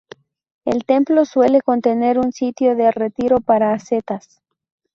El templo suele contener un sitio de retiro para ascetas.